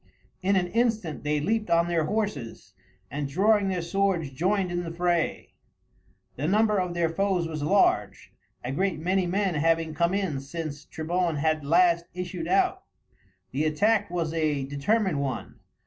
In an instant they leaped on their horses, and drawing their swords joined in the fray. The number of their foes was large, a great many men having come in since Trebon had last issued out. The attack was a determined one.